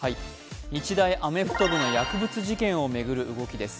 日大アメフト部の薬物事件を巡る動きです。